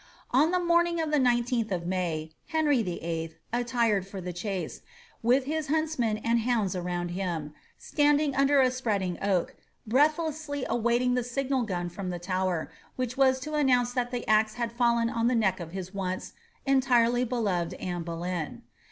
On the morning of the 19th of May, Henry VIII., attired for the chase, with his hunts nen and hounds around him, was standing under a spreading oak, breath kisly awaiting the signal gun from the Tower, which was to announce that the axe had &llen on the neck of his ouce ^ entirely beloved Anne Boleyn.